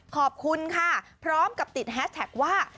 ขอบคุณค่ะพร้อมกับติดแฮชแท็กว่า